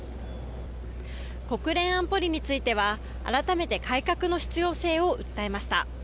国連安保理については改めて改革の必要性を訴えました。